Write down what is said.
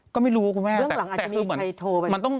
ก็ไม่รู้คุณแม่แต่คือเหมือน